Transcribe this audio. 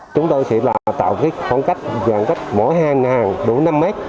chúng tôi sẽ tạo khoảng cách mỗi hàng đủ năm mét